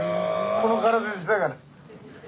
この体でしてたから。